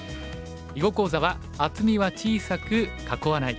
囲碁講座は「厚みは小さく囲わない」。